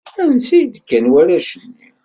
Ansa i d-kkan warrac-nni?